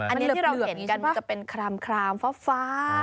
อันนี้ที่เราเห็นกันมันจะเป็นครามฟ้า